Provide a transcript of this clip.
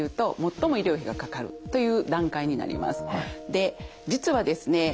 で実はですね